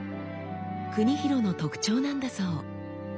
国広の特徴なんだそう。